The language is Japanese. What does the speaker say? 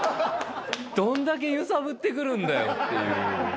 どんだけ揺さぶってくるんだよっていう。